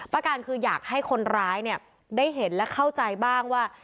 ประการคืออยากให้คนร้ายเนี่ยได้เห็นและเข้าใจบ้างว่า